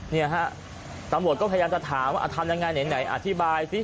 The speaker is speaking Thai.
เนี่ยฮะตำรวจก็พยายามจะถามว่าทำยังไงไหนอธิบายซิ